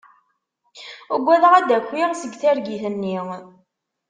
Uggadeɣ ad d-akiɣ seg targit-nni.